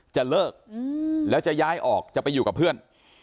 จะเลิกแล้วจะย้ายออกจะไปอยู่กับเพื่อน